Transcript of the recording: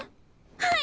はい！